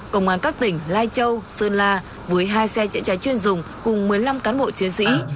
công an các tỉnh lai châu sơn la với hai xe chữa cháy chuyên dùng cùng một mươi năm cán bộ chiến sĩ